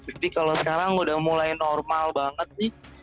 jadi kalau sekarang udah mulai normal banget sih